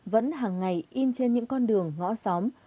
vẫn hàng ngày in trên những con đường ngõ xóm